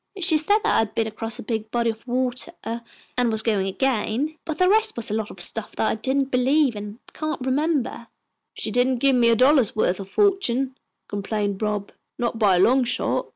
"She said that I had been across a big body of water and was going again, but the rest was a lot of stuff that I didn't believe and can't remember." "She didn't give me a dollar's worth of fortune," complained Rob. "Not by a long shot."